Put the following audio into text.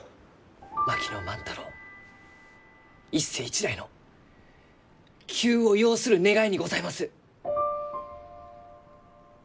槙野万太郎一世一代の急を要する願いにございます！